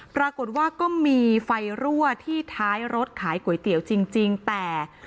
ปรากฏว่าก็มีไฟรั่วที่ท้ายรถขายก๋วยเตี๋ยวจริงแต่